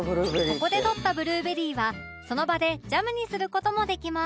ここで採ったブルーベリーはその場でジャムにする事もできます